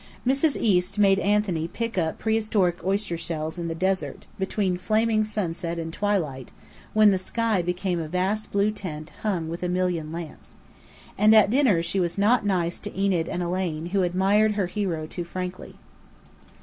Mrs. East made Anthony pick up pre historic oyster shells in the desert, between flaming sunset and twilight, when the sky became a vast blue tent hung with a million lamps. And at dinner she was not nice to Enid and Elaine who admired her hero too frankly.